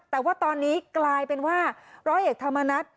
แต่ว่าตอนนี้กลายเป็นว่าร้อยเอกธรรมนัฐ